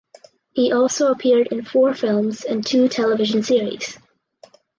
He also appeared in four films and two television series.